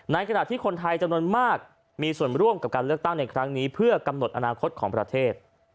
ขณะที่คนไทยจำนวนมากมีส่วนร่วมกับการเลือกตั้งในครั้งนี้เพื่อกำหนดอนาคตของประเทศ